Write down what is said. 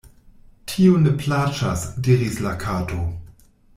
"Tio ne plaĉas," diris la Kato.